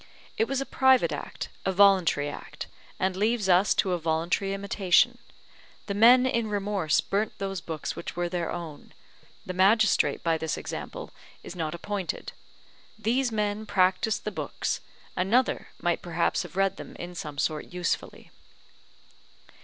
It was a private act, a voluntary act, and leaves us to a voluntary imitation: the men in remorse burnt those books which were their own; the magistrate by this example is not appointed; these men practised the books, another might perhaps have read them in some sort usefully.